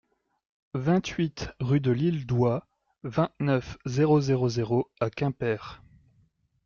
vingt-huit rue de l'Île d'Houat, vingt-neuf, zéro zéro zéro à Quimper